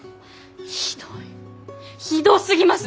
ひどいひどすぎます！